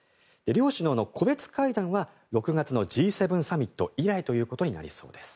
両首脳の個別会談は６月のＧ７サミット以来となりそうです。